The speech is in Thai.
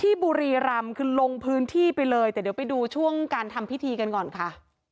บุรีรำคือลงพื้นที่ไปเลยแต่เดี๋ยวไปดูช่วงการทำพิธีกันก่อนค่ะ